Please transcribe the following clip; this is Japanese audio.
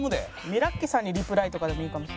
ミラッキさんにリプライとかでもいいかも。